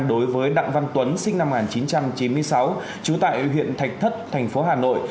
đối với đặng văn tuấn sinh năm một nghìn chín trăm chín mươi sáu trú tại huyện thạch thất thành phố hà nội